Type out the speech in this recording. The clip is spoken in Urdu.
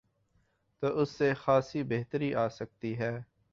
تو اس سے خاصی بہتری آ سکتی ہے۔